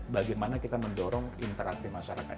bagaimana kita mendorong interaksi masyarakat